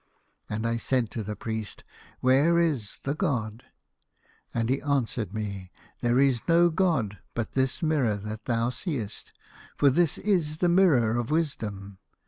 " And I said to the priest, ' Where is the god ?'" And he answered me :' There is no god but this mirror that thou seest, for this is the Mirror of Wisdom.